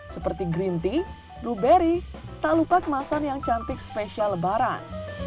seperti green tea blueberry tak lupa kemasan yang cantik spesial lebaran